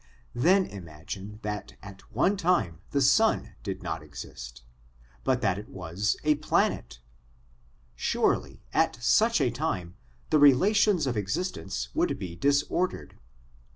Then imagine that at one time the sun did not exist, but that it was a planet surely at such a time the relations of existence would be disordered.